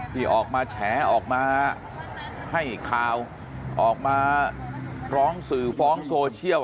ที่ออกมาแฉออกมาให้ข่าวออกมาร้องสื่อฟ้องโซเชียล